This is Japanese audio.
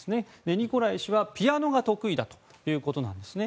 ニコライ氏は、ピアノが得意だということなんですね。